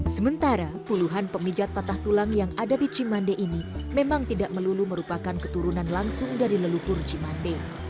sementara puluhan pemijat patah tulang yang ada di cimande ini memang tidak melulu merupakan keturunan langsung dari leluhur cimande